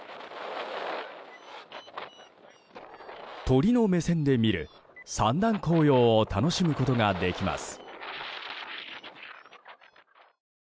鳥の目線で見る三段紅葉を楽しむことができます。